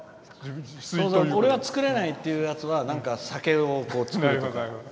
俺は作れないっていうやつは酒を作るとか。